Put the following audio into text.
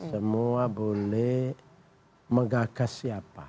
semua boleh menggagas siapa